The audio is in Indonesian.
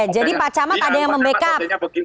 jadi pak camat ada yang membackup